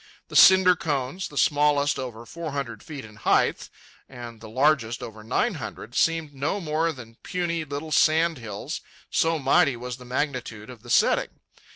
The cinder cones, the smallest over four hundred feet in height and the largest over nine hundred, seemed no more than puny little sand hills, so mighty was the magnitude of the setting.